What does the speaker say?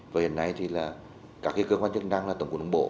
và hiện nay thì là các cái cơ quan chức năng là tổng cụ đồng bộ